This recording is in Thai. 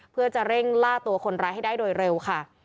เพื่อจะเร่งล่าตัวคนร้ายให้ได้โดยเร็วค่ะ